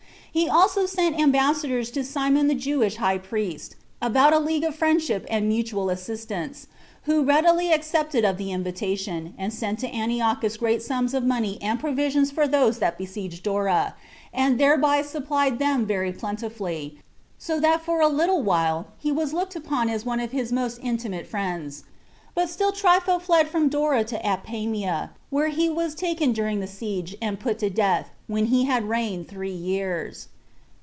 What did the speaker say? He also sent ambassadors to Simon the Jewish high priest, about a league of friendship and mutual assistance; who readily accepted of the invitation, and sent to Antiochus great sums of money and provisions for those that besieged Dora, and thereby supplied them very plentifully, so that for a little while he was looked upon as one of his most intimate friends; but still Trypho fled from Dora to Apamia, where he was taken during the siege, and put to death, when he had reigned three years.